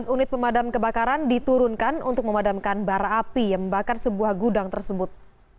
sebelas unit pemadam kebakaran diturunkan untuk memadamkan bar api yang membakar sebuah gudang tersebut